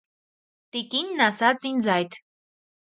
Տիկինն ասաց ինձ այդ: